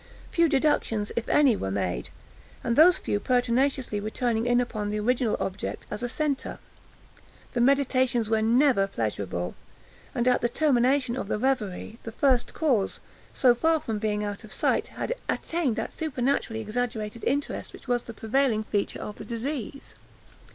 Few deductions, if any, were made; and those few pertinaciously returning in upon the original object as a centre. The meditations were never pleasurable; and, at the termination of the reverie, the first cause, so far from being out of sight, had attained that supernaturally exaggerated interest which was the prevailing feature of the disease.